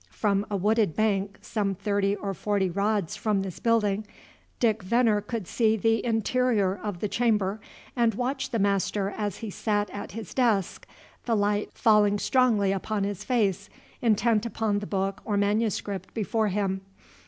From a wooded bank, some thirty or forty rods from this building, Dick Venner could see the interior of the chamber, and watch the master as he sat at his desk, the light falling strongly upon his face, intent upon the book or manuscript before him.